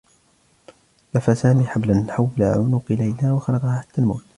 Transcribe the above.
لفّ سامي حبلا حول عنق ليلى و خنقها حتّى الموت.